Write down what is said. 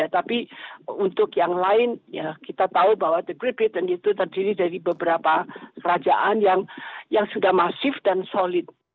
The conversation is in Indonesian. tapi untuk yang lain kita tahu bahwa the greepiton itu terdiri dari beberapa kerajaan yang sudah masif dan solid